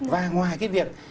và ngoài cái việc